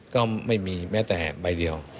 ก็ไม่มีแม้แต่ใบเดียว